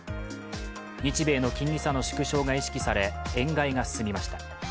日米の金利差の縮小が意識され円買いが進みました。